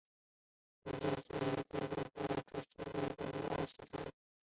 季姒又对公甫说公思展和申夜姑要挟她。